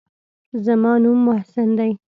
زما نوم محسن دى.